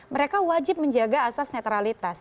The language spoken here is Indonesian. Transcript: mereka wajib menjaga asas netralitas